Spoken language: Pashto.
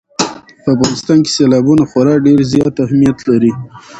په افغانستان کې سیلابونه خورا ډېر زیات اهمیت لري.